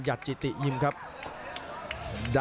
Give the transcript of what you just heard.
ฟันด้วยศอกขวา